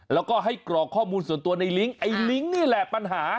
แล้วก็ให้กรอกข้อมูลส่วนตัวในลิงก์ไอ้ลิงก์นี่แหละปัญหา